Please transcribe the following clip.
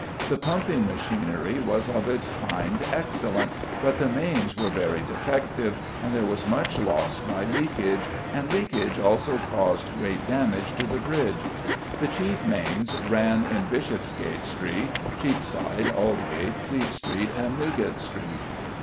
The pumping machinery was of its kind excellent, but the mains were very defective, and there was much loss by leakage, and leakage also caused great damage to the bridge. The chief mains ran in Bishopsgate Street, Cheapside, Aldgate, Fleet Street, and Newgate Street.